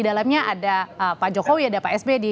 dalamnya ada pak jokowi ada pak sb di